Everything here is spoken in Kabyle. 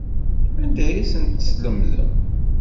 Anda ay asen-teslemdem?